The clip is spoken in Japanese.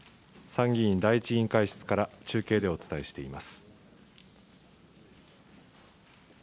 参議院第１委員会室から中継でお伝えしています。